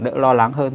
đỡ lo lắng hơn